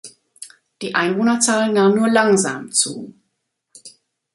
Die Einwohnerzahl nahm nur langsam zu.